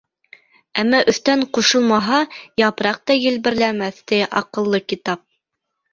Әммә өҫтән ҡушылмаһа, япраҡ та елберләмәҫ, ти аҡыллы китап.